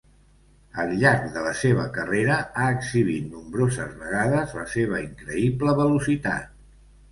Al llarg de la seva carrera ha exhibit nombroses vegades la seva increïble velocitat.